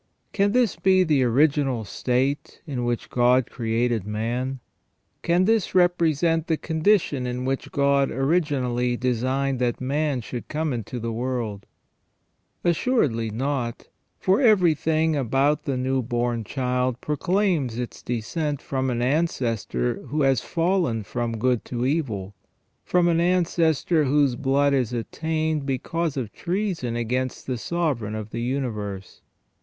Can this be the original state in which God created man ? Can this represent the condition in which God originally designed that man should come into the world ? Assuredly not, for everything about the new born child proclaims its descent from an ancestor who has fallen from good to evil, from an ancestor whose blood is attainted because of treason against the Sovereign of the universe.